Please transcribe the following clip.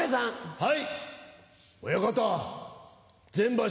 はい。